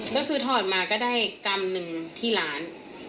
ก็คือถอดมาก็ได้กรัมหนึ่งที่ร้าน